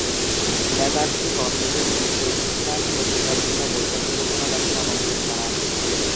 McCarthy কনলিকে "New Statesman" পত্রিকার জন্য বই পর্যালোচনা লেখার আমন্ত্রণ জানান।